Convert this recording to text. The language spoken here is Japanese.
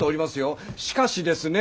しかしですね